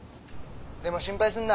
でも心配すんな。